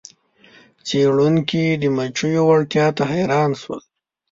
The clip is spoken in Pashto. څیړونکي د مچیو وړتیا ته حیران شول.